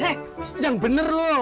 eh yang bener lu